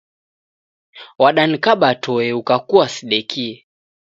Wadanikaba toe ukakua sidekie